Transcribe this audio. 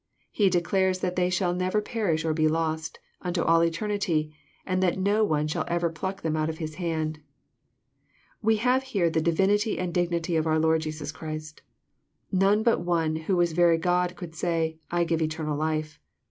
He declares that they shall never perish or be lost, unto all eternity ; and that no one shall ever pluck them out of His hand. We have here the divinity and dignity of our Lord Jesus Christ. None but one who was very God could say, "I give eternal life."